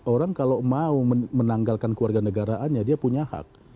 orang kalau mau menanggalkan keluarga negaraannya dia punya hak